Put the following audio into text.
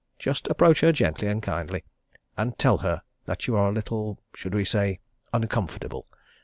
Just approach her gently and kindly, and tell her that you are a little should we say uncomfortable?